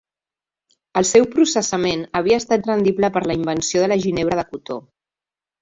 El seu processament havia estat rendible per la invenció de la ginebra de cotó.